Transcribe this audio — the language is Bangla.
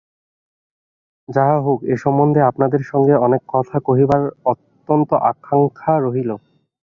যাহা হউক, এ সম্বন্ধে আপনাদের সঙ্গে অনেক কথা কহিবার অত্যন্ত আকাঙ্ক্ষা রহিল।